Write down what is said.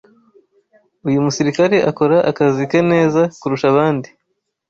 uyu musirikare akora akazi ke neza kurusha abandi